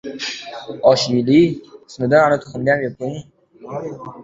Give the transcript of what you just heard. Akayam gapmi, hali Leninni otam deysan.